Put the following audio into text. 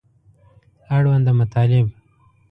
اړونده مطالب